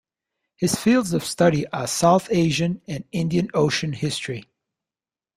His fields of study are South Asian and Indian Ocean history.